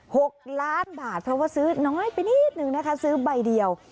หกล้านบาทเพราะว่าซื้อน้อยไปนิดนึงนะคะซื้อใบเดียว